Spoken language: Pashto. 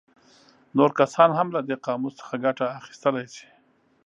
نور کسان هم له دې قاموس څخه ګټه اخیستلی شي.